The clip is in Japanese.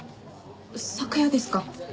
昨夜ですか。